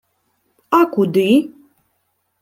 — А куди?